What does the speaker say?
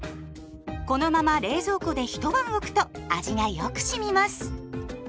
このまま冷蔵庫で一晩おくと味がよく染みます。